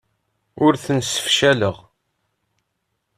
Ur tent-ssefcaleɣ.